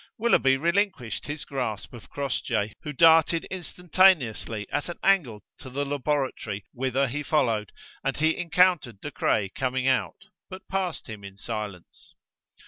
Willoughby relinquished his grasp of Crossjay, who darted instantaneously at an angle to the laboratory, whither he followed, and he encountered De Craye coming out, but passed him in silence.